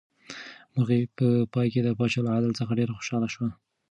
مرغۍ په پای کې د پاچا له عدل څخه ډېره خوشحاله شوه.